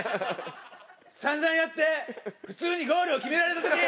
散々やって普通にゴールを決められた時ー！